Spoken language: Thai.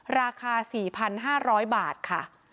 ราคา๔๕๐๐บาทค่ะ